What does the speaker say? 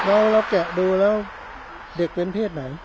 โอ้อ้อเราเคยดูแล้วเด็กเป็นเพศไหน